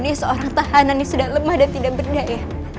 meracuni seorang tahanan yang sudah lemah dan tidak berdaya